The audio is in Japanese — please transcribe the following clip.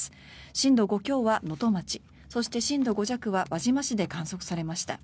震度５強は能登町そして震度５弱は輪島市で観測されました。